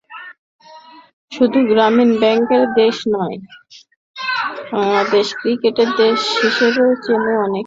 শুধু গ্রামীণ ব্যাংকের দেশ নয়, বাংলাদেশকে ক্রিকেটের দেশ হিসেবেও চেনেন অনেকে।